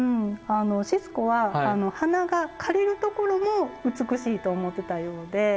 シスコは花が枯れるところも美しいと思ってたようで。